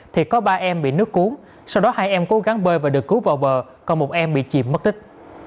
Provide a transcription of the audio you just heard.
thì có ba em bị nước cuốn sau đó hai em cố gắng bơi và được cứu vào bờ còn một em bị chìm mất tích